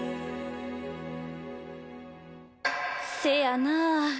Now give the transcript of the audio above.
せやなあ。